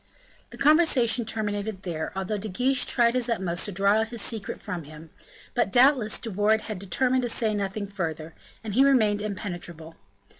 The conversation terminated there, although De Guiche tried his utmost to draw out his secret from him; but, doubtless, De Wardes had determined to say nothing further, and he remained impenetrable.